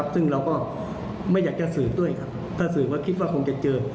ซึ่งเราก็ไม่อยากจะเสิร์ฟด้วยถ้าเสิร์ฟก็คิดว่าคงจะเจอ